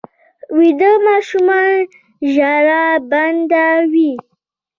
ویده ماشوم ژړا بنده وي